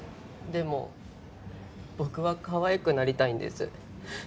でも僕はかわいくなりたいんです。